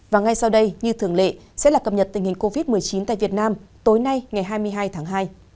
và ngay sau đây như thường lệ sẽ là cập nhật tình hình covid một mươi chín tại việt nam tối nay ngày hai mươi hai tháng hai